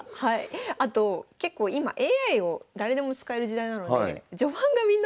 あと結構今ＡＩを誰でも使える時代なのでえ。